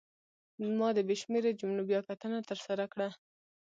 ما د بې شمېره جملو بیاکتنه ترسره کړه.